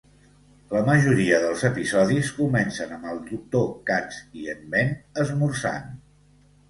La majoria dels episodis comencen amb el doctor Katz i en Ben esmorzant.